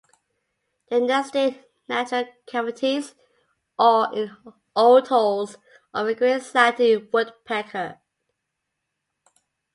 They nest in natural cavities or in old holes of the great slaty woodpecker.